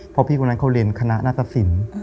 เพราะพี่คนนั้นเขาเรียนคณะนัตตสิน